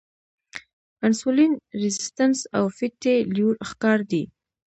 انسولین ريزسټنس او فېټي لیور ښکار دي -